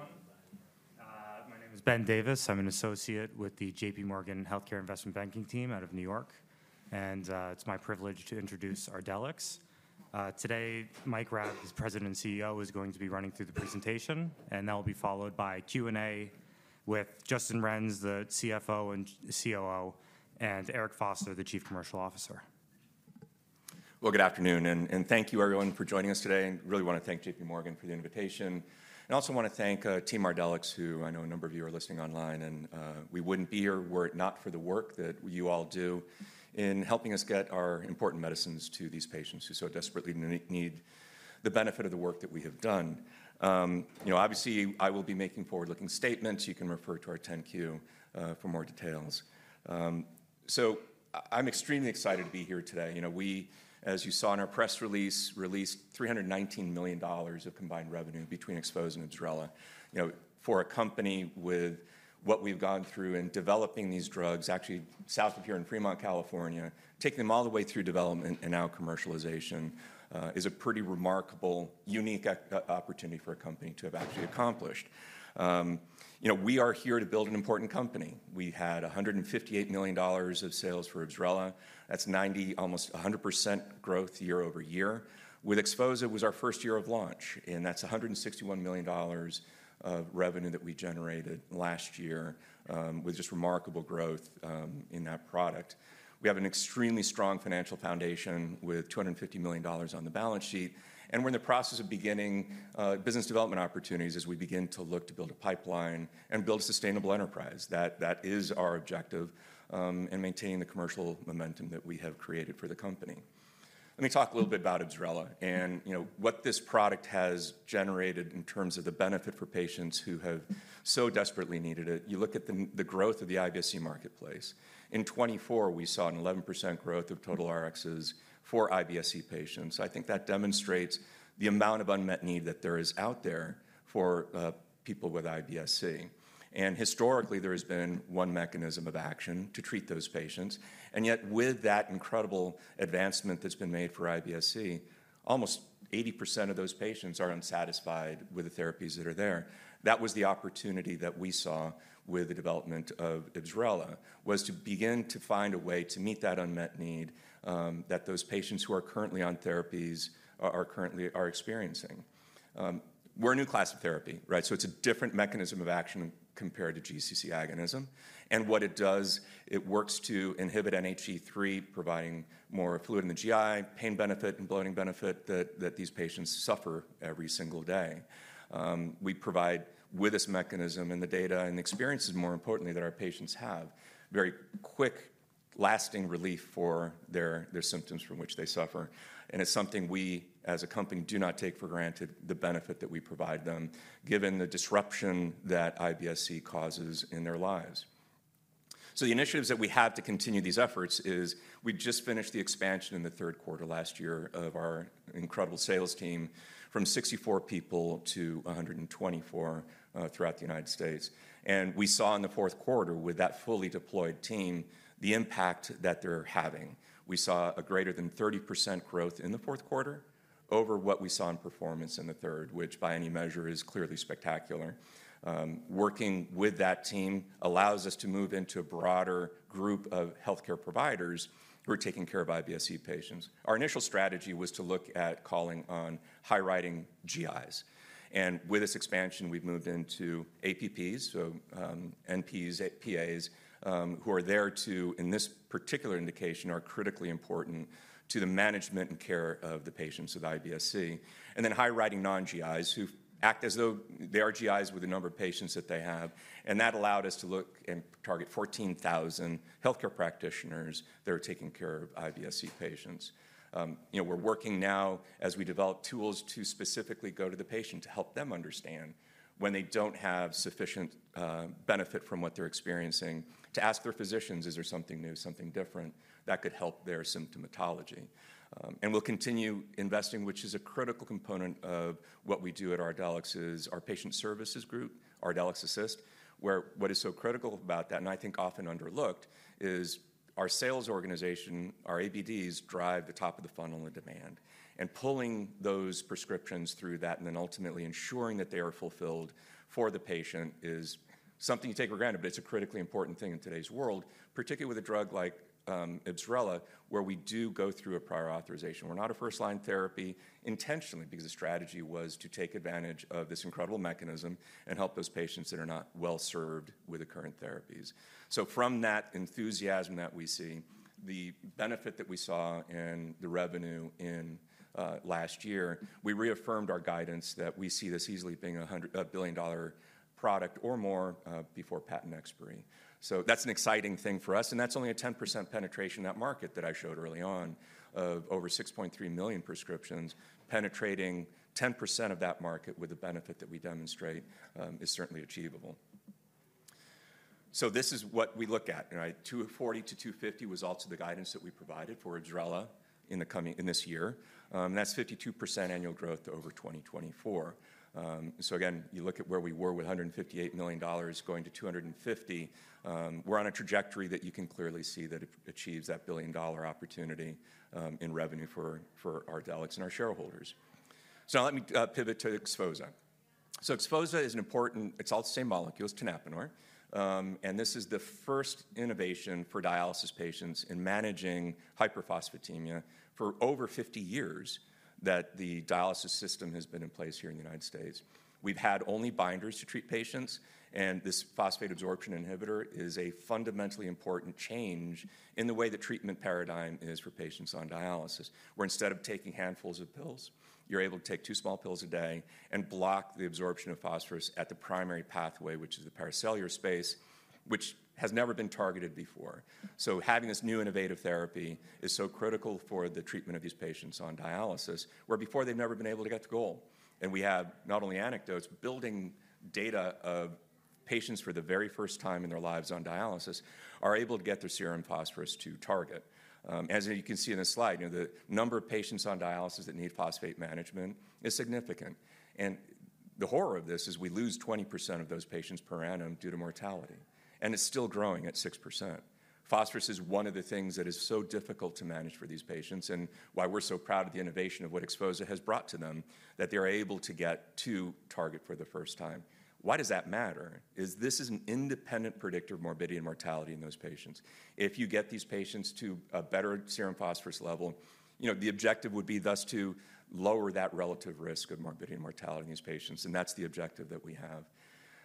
Good afternoon, everyone. My name is Ben Davis. I'm an associate with the J.P. Morgan Healthcare Investment Banking team out of New York, and it's my privilege to introduce Ardelyx. Today, Mike Raab, the President and CEO, is going to be running through the presentation, and that will be followed by Q&A with Justin Renz, the CFO and COO, and Eric Foster, the Chief Commercial Officer. Good afternoon, and thank you, everyone, for joining us today. I really want to thank J.P. Morgan for the invitation, and I also want to thank Team Ardelyx, who I know a number of you are listening online, and we wouldn't be here were it not for the work that you all do in helping us get our important medicines to these patients who so desperately need the benefit of the work that we have done. You know, obviously, I will be making forward-looking statements. You can refer to our 10-Q for more details. I'm extremely excited to be here today. You know, we, as you saw in our press release, released $319 million of combined revenue between XPHOZAH and Ibsrela. You know, for a company with what we've gone through in developing these drugs, actually south of here in Fremont, California, taking them all the way through development and now commercialization is a pretty remarkable, unique opportunity for a company to have actually accomplished. You know, we are here to build an important company. We had $158 million of sales for IBSRELA. That's 90%, almost 100% growth year-over-year. With XPHOZAH, it was our first year of launch, and that's $161 million of revenue that we generated last year with just remarkable growth in that product. We have an extremely strong financial foundation with $250 million on the balance sheet, and we're in the process of beginning business development opportunities as we begin to look to build a pipeline and build a sustainable enterprise. That is our objective, and maintaining the commercial momentum that we have created for the company. Let me talk a little bit about IBSRELA and, you know, what this product has generated in terms of the benefit for patients who have so desperately needed it. You look at the growth of the IBS-C marketplace. In 2024, we saw an 11% growth of total Rxs for IBS-C patients. I think that demonstrates the amount of unmet need that there is out there for people with IBS-C. And historically, there has been one mechanism of action to treat those patients, and yet with that incredible advancement that's been made for IBS-C, almost 80% of those patients are unsatisfied with the therapies that are there. That was the opportunity that we saw with the development of IBSRELA, was to begin to find a way to meet that unmet need that those patients who are currently on therapies are currently experiencing. We're a new class of therapy, right? So it's a different mechanism of action compared to GCC agonism. And what it does, it works to inhibit NHE3, providing more fluid in the GI, pain benefit, and bloating benefit that these patients suffer every single day. We provide, with this mechanism and the data and the experiences, more importantly, that our patients have very quick, lasting relief for their symptoms from which they suffer. And it's something we, as a company, do not take for granted, the benefit that we provide them, given the disruption that IBS-C causes in their lives. The initiatives that we have to continue these efforts is we just finished the expansion in the Q3 last year of our incredible sales team from 64 people to 124 throughout the United States. And we saw in the Q4, with that fully deployed team, the impact that they're having. We saw a greater than 30% growth in the Q4 over what we saw in performance in the third, which by any measure is clearly spectacular. Working with that team allows us to move into a broader group of healthcare providers who are taking care of IBS-C patients. Our initial strategy was to look at calling on high-prescribing GIs. And with this expansion, we've moved into APPs, so NPs, PAs, who are there to, in this particular indication, are critically important to the management and care of the patients of IBS-C. And then high-riding non-GIs who act as though they are GIs with the number of patients that they have, and that allowed us to look and target 14,000 healthcare practitioners that are taking care of IBS-C patients. You know, we're working now as we develop tools to specifically go to the patient to help them understand when they don't have sufficient benefit from what they're experiencing, to ask their physicians, is there something new, something different that could help their symptomatology? And we'll continue investing, which is a critical component of what we do at Ardelyx, is our patient services group, Ardelyx Assist, where what is so critical about that, and I think often underlooked, is our sales organization, our ABDs, drive the top of the funnel of demand. And pulling those prescriptions through that, and then ultimately ensuring that they are fulfilled for the patient is something you take for granted, but it's a critically important thing in today's world, particularly with a drug like IBSRELA, where we do go through a prior authorization. We're not a first-line therapy intentionally because the strategy was to take advantage of this incredible mechanism and help those patients that are not well served with the current therapies. So from that enthusiasm that we see, the benefit that we saw in the revenue in last year, we reaffirmed our guidance that we see this easily being a $100 billion product or more before patent expiry. So that's an exciting thing for us, and that's only a 10% penetration in that market that I showed early on of over 6.3 million prescriptions. Penetrating 10% of that market with the benefit that we demonstrate is certainly achievable. So this is what we look at, right? $240 million-$250 million was also the guidance that we provided for IBSRELA in this year, and that's 52% annual growth over 2024. So again, you look at where we were with $158 million going to $250 million, we're on a trajectory that you can clearly see that it achieves that billion-dollar opportunity in revenue for Ardelyx and our shareholders. So now let me pivot to XPHOZAH. So XPHOZAH is an important, it's all the same molecules, tenapanor, and this is the first innovation for dialysis patients in managing hyperphosphatemia for over 50 years that the dialysis system has been in place here in the United States. We've had only binders to treat patients, and this phosphate absorption inhibitor is a fundamentally important change in the way the treatment paradigm is for patients on dialysis, where instead of taking handfuls of pills, you're able to take two small pills a day and block the absorption of phosphorus at the primary pathway, which is the pericellular space, which has never been targeted before, so having this new innovative therapy is so critical for the treatment of these patients on dialysis, where before they've never been able to get to goal, and we have not only anecdotes, but building data of patients for the very first time in their lives on dialysis are able to get their serum phosphorus to target. As you can see in this slide, you know, the number of patients on dialysis that need phosphate management is significant. And the horror of this is we lose 20% of those patients per annum due to mortality, and it's still growing at 6%. Phosphorus is one of the things that is so difficult to manage for these patients, and why we're so proud of the innovation of what XPHOZAH has brought to them, that they're able to get to target for the first time. Why does that matter? This is an independent predictor of morbidity and mortality in those patients. If you get these patients to a better serum phosphorus level, you know, the objective would be thus to lower that relative risk of morbidity and mortality in these patients, and that's the objective that we have.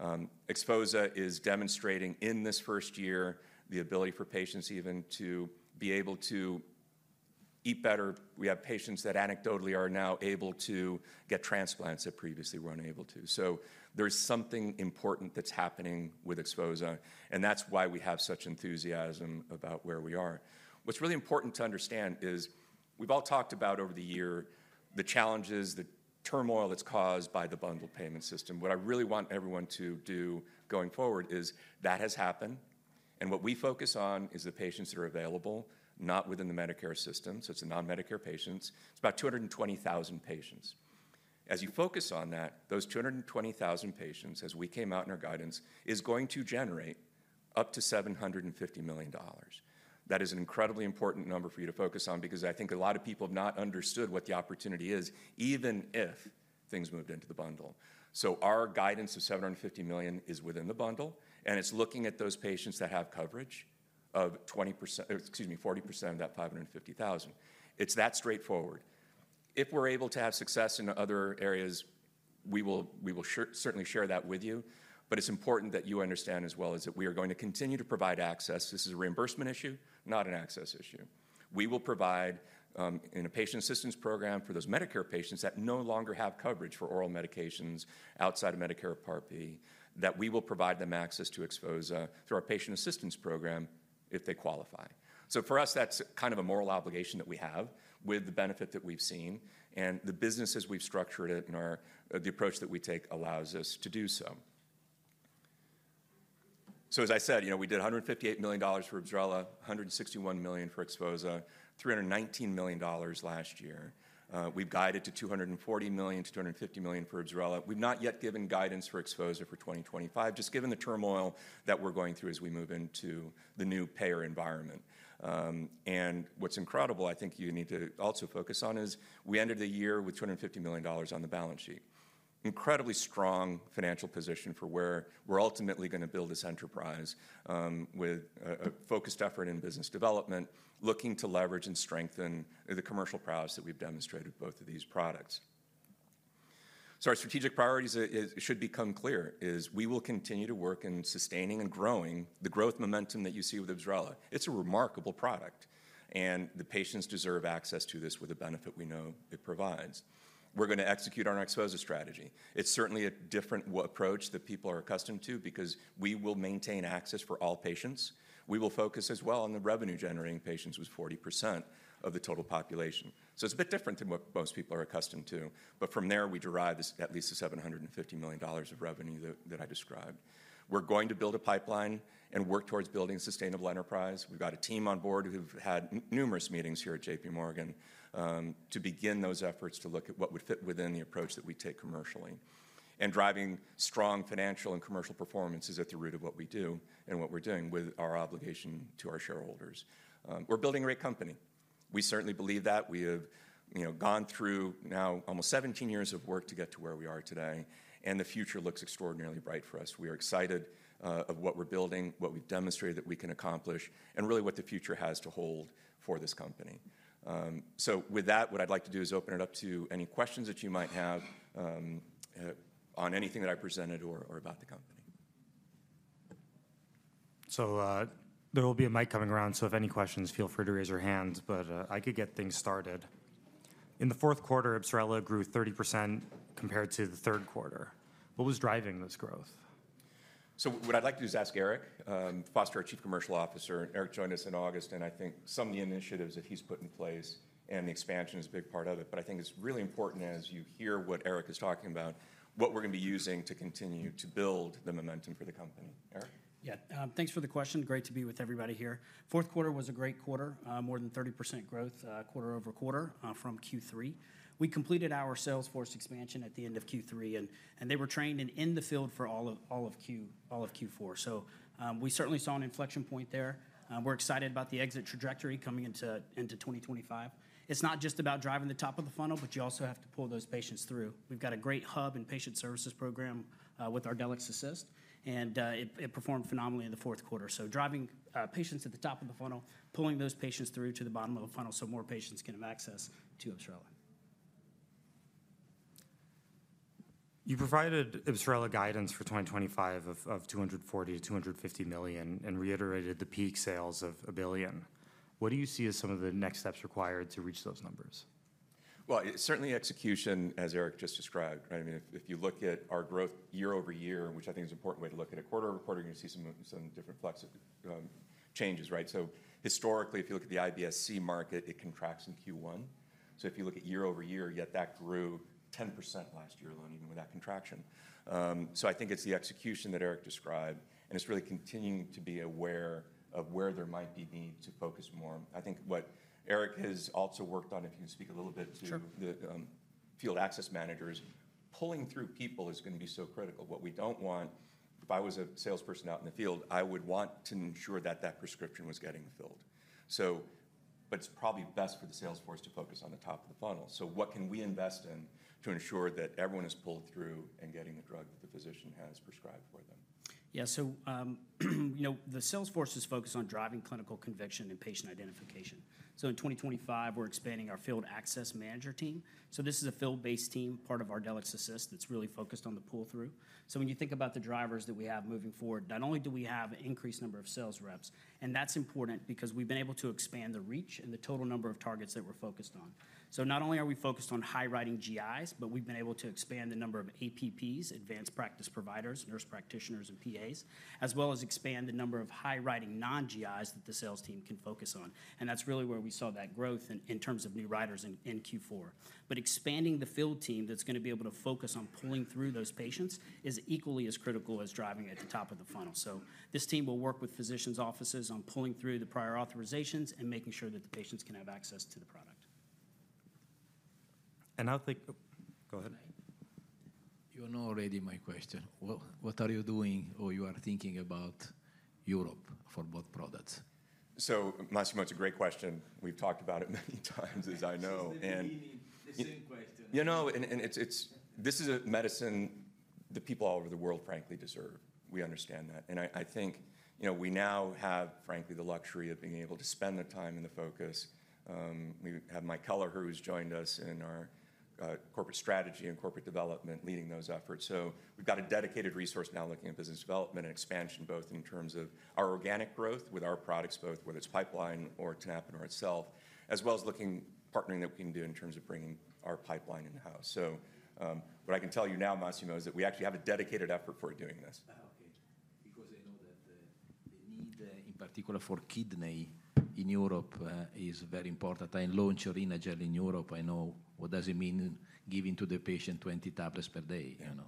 XPHOZAH is demonstrating in this first year the ability for patients even to be able to eat better. We have patients that anecdotally are now able to get transplants that previously were unable to. So there's something important that's happening with XPHOZAH, and that's why we have such enthusiasm about where we are. What's really important to understand is we've all talked about over the year the challenges, the turmoil that's caused by the bundled payment system. What I really want everyone to do going forward is that has happened, and what we focus on is the patients that are available, not within the Medicare system, so it's the non-Medicare patients. It's about 220,000 patients. As you focus on that, those 220,000 patients, as we came out in our guidance, is going to generate up to $750 million. That is an incredibly important number for you to focus on because I think a lot of people have not understood what the opportunity is, even if things moved into the bundle. So our guidance of $750 million is within the bundle, and it's looking at those patients that have coverage of 20%, excuse me, 40% of that 550,000. It's that straightforward. If we're able to have success in other areas, we will certainly share that with you, but it's important that you understand as well as that we are going to continue to provide access. This is a reimbursement issue, not an access issue. We will provide in a patient assistance program for those Medicare patients that no longer have coverage for oral medications outside of Medicare Part B, that we will provide them access to XPHOZAH through our patient assistance program if they qualify. So for us, that's kind of a moral obligation that we have with the benefit that we've seen, and the business as we've structured it and the approach that we take allows us to do so. So as I said, you know, we did $158 million for IBSRELA, $161 million for XPHOZAH, $319 million last year. We've guided to $240 million-$250 million for IBSRELA. We've not yet given guidance for XPHOZAH for 2025, just given the turmoil that we're going through as we move into the new payer environment. And what's incredible, I think you need to also focus on is we ended the year with $250 million on the balance sheet. Incredibly strong financial position for where we're ultimately going to build this enterprise with a focused effort in business development, looking to leverage and strengthen the commercial prowess that we've demonstrated with both of these products. Our strategic priorities should become clear as we will continue to work on sustaining and growing the growth momentum that you see with IBSRELA. It's a remarkable product, and the patients deserve access to this with the benefit we know it provides. We're going to execute on our XPHOZAH strategy. It's certainly a different approach that people are accustomed to because we will maintain access for all patients. We will focus as well on the revenue-generating patients with 40% of the total population. It's a bit different than what most people are accustomed to, but from there we derive at least the $750 million of revenue that I described. We're going to build a pipeline and work towards building a sustainable enterprise. We've got a team on board who've had numerous meetings here at J.P. Morgan to begin those efforts to look at what would fit within the approach that we take commercially. And driving strong financial and commercial performance is at the root of what we do and what we're doing with our obligation to our shareholders. We're building a great company. We certainly believe that. We have, you know, gone through now almost 17 years of work to get to where we are today, and the future looks extraordinarily bright for us. We are excited of what we're building, what we've demonstrated that we can accomplish, and really what the future has to hold for this company. So with that, what I'd like to do is open it up to any questions that you might have on anything that I presented or about the company. So there will be a mic coming around, so if any questions, feel free to raise your hands, but I could get things started. In the Q4,Ibsrela grew 30% compared to the Q4. What was driving this growth? So what I'd like to do is ask Eric Foster, our Chief Commercial Officer. Eric joined us in August, and I think some of the initiatives that he's put in place and the expansion is a big part of it, but I think it's really important as you hear what Eric is talking about, what we're going to be using to continue to build the momentum for the company. Eric? Yeah, thanks for the question. Great to be with everybody here. Fourth quarter was a great quarter, more than 30% growth, quarter over quarter from Q3. We completed our sales force expansion at the end of Q3, and they were trained and in the field for all of Q4. So we certainly saw an inflection point there. We're excited about the exit trajectory coming into 2025. It's not just about driving the top of the funnel, but you also have to pull those patients through. We've got a great hub and patient services program with Ardelyx Assist, and it performed phenomenally in the fourth quarter. So driving patients at the top of the funnel, pulling those patients through to the bottom of the funnel so more patients can have access to IBSRELA. You provided IBSRELA guidance for 2025 of $240 million-$250 million and reiterated the peak sales of $1 billion. What do you see as some of the next steps required to reach those numbers? Well, certainly execution, as Eric just described, right? I mean, if you look at our growth year over year, which I think is an important way to look at it, quarter over quarter you're going to see some different changes, right? So historically, if you look at the IBS-C market, it contracts in Q1. So if you look at year-over-year, yet that grew 10% last year alone even with that contraction. So I think it's the execution that Eric described, and it's really continuing to be aware of where there might be need to focus more. I think what Eric has also worked on, if you can speak a little bit to the field access managers, pulling through people is going to be so critical. What we don't want, if I was a salesperson out in the field, I would want to ensure that that prescription was getting filled. So, but it's probably best for the sales force to focus on the top of the funnel. So what can we invest in to ensure that everyone is pulled through and getting the drug that the physician has prescribed for them? Yeah, so, you know, the sales force is focused on driving clinical conviction and patient identification. So in 2025, we're expanding our field access manager team. So this is a field-based team, part of Ardelyx Assist that's really focused on the pull-through. So when you think about the drivers that we have moving forward, not only do we have an increased number of sales reps, and that's important because we've been able to expand the reach and the total number of targets that we're focused on. So not only are we focused on high prescribing GIs, but we've been able to expand the number of APPs, Advanced Practice Providers, Nurse Practitioners, and PAs, as well as expand the number of high prescribing non-GIs that the sales team can focus on. And that's really where we saw that growth in terms of new prescribers in Q4. But expanding the field team that's going to be able to focus on pulling through those patients is equally as critical as driving at the top of the funnel. So this team will work with physicians' offices on pulling through the prior authorizations and making sure that the patients can have access to the product. And, I think. Go ahead. You know already my question. What are you doing or you are thinking about Europe for both products? So, Massimo, that's a great question. We've talked about it many times, as you know. And the same question. You know, and it's this is a medicine that people all over the world, frankly, deserve. We understand that. And I think, you know, we now have, frankly, the luxury of being able to spend the time and the focus. We have Mike Heller, who has joined us in our corporate strategy and corporate development, leading those efforts. So we've got a dedicated resource now looking at business development and expansion, both in terms of our organic growth with our products, both whether it's pipeline or tenapanor itself, as well as looking at partnering that we can do in terms of bringing our pipeline in-house. So what I can tell you now, Massimo, is that we actually have a dedicated effort for doing this. Okay. Because I know that the need in particular for kidney in Europe is very important. I launched Renagel in Europe. I know, what does it mean giving to the patient 20 tablets per day, you know?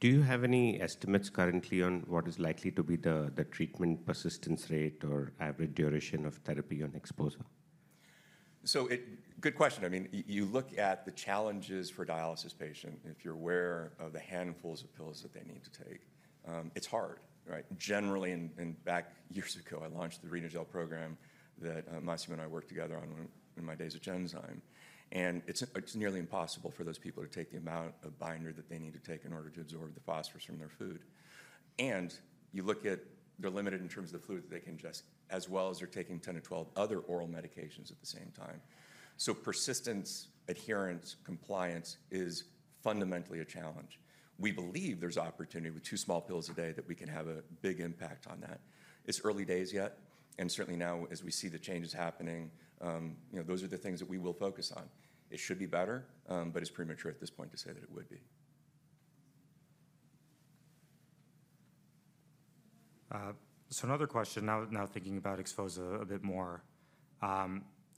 Do you have any estimates currently on what is likely to be the treatment persistence rate or average duration of therapy on XPHOZAH? So good question. I mean, you look at the challenges for a dialysis patient, if you're aware of the handfuls of pills that they need to take. It's hard, right? Generally, and back years ago, I launched the Renagel program that Massimo and I worked together on in my days at Genzyme. And it's nearly impossible for those people to take the amount of binder that they need to take in order to absorb the phosphorus from their food. And you look at they're limited in terms of the fluid that they can ingest, as well as they're taking 10 to 12 other oral medications at the same time. So persistence, adherence, compliance is fundamentally a challenge. We believe there's opportunity with two small pills a day that we can have a big impact on that. It's early days yet, and certainly now as we see the changes happening, you know, those are the things that we will focus on. It should be better, but it's premature at this point to say that it would be. So another question, now thinking about XPHOZAH a bit more.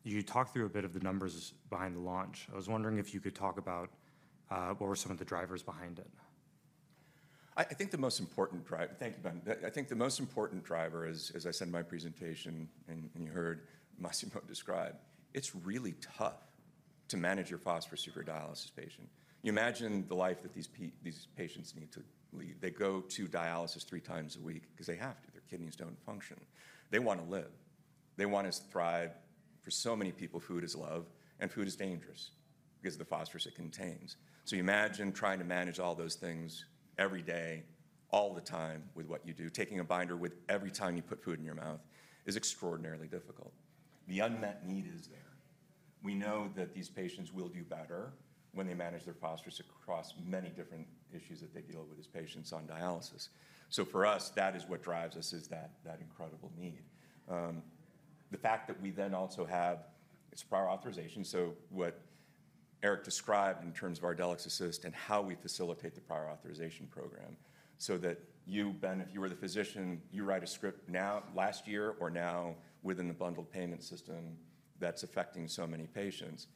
You talked through a bit of the numbers behind the launch. I was wondering if you could talk about what were some of the drivers behind it. I think the most important driver, thank you, Ben. I think the most important driver is, as I said in my presentation and you heard Massimo describe, it's really tough to manage your phosphorus if you're a dialysis patient. You imagine the life that these patients need to lead. They go to dialysis three times a week because they have to. Their kidneys don't function. They want to live. They want to thrive. For so many people, food is love, and food is dangerous because of the phosphorus it contains. So you imagine trying to manage all those things every day, all the time with what you do, taking a binder with every time you put food in your mouth is extraordinarily difficult. The unmet need is there. We know that these patients will do better when they manage their phosphorus across many different issues that they deal with as patients on dialysis. So for us, that is what drives us is that incredible need. The fact that we then also have its prior authorization, so what Eric described in terms of Ardelyx Assist and how we facilitate the prior authorization program, so that you, Ben, if you were the physician, you write a script now, last year or now, within the bundled payment system that's affecting so many patients,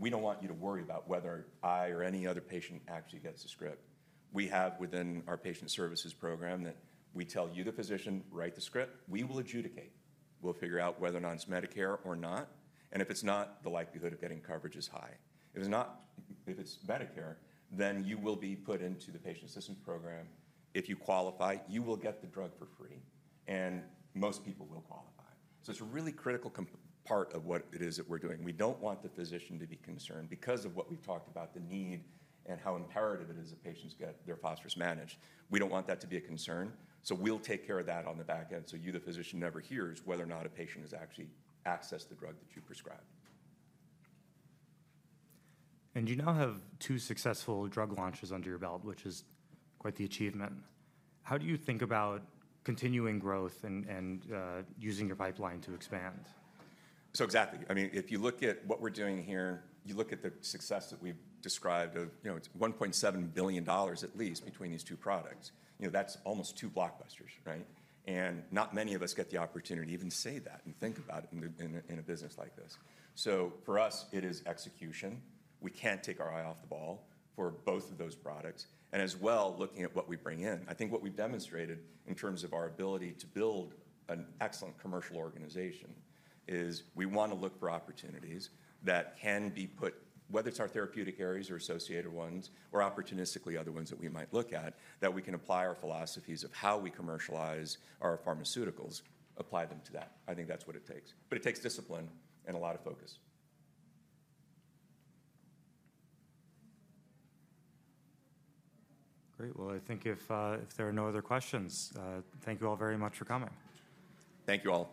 we don't want you to worry about whether I or any other patient actually gets a script. We have within our patient services program that we tell you, the physician, write the script. We will adjudicate. We'll figure out whether or not it's Medicare or not, and if it's not, the likelihood of getting coverage is high. If it's not, if it's Medicare, then you will be put into the patient assistance program. If you qualify, you will get the drug for free, and most people will qualify. It's a really critical part of what it is that we're doing. We don't want the physician to be concerned because of what we've talked about, the need and how imperative it is that patients get their phosphorus managed. We don't want that to be a concern. We'll take care of that on the back end so you, the physician, never hear whether or not a patient has actually accessed the drug that you prescribed. You now have two successful drug launches under your belt, which is quite the achievement. How do you think about continuing growth and using your pipeline to expand? Exactly. I mean, if you look at what we're doing here, you look at the success that we've described of, you know, it's $1.7 billion at least between these two products. You know, that's almost two blockbusters, right? And not many of us get the opportunity to even say that and think about it in a business like this. So for us, it is execution. We can't take our eye off the ball for both of those products. And as well, looking at what we bring in, I think what we've demonstrated in terms of our ability to build an excellent commercial organization is, we want to look for opportunities that can be put, whether it's our therapeutic areas or associated ones, or opportunistically other ones that we might look at, that we can apply our philosophies of how we commercialize our pharmaceuticals, apply them to that. I think that's what it takes. But it takes discipline and a lot of focus. Great. Well, I think if there are no other questions, thank you all very much for coming. Thank you all.